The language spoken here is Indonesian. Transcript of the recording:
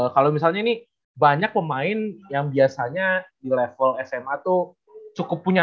kalau misalnya ini banyak pemain yang biasanya di level sma tuh cukup punya